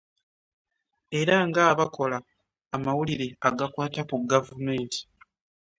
Era ng'abakola amawulire agakwata ku gavumenti